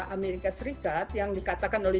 amerika serikat yang dikatakan oleh